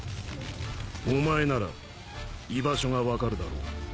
お前なら居場所が分かるだろう。